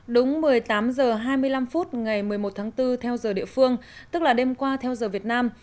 đúng một mươi tám h hai mươi năm phút ngày một mươi một tháng bốn theo giờ địa phương tức là đêm qua theo giờ việt nam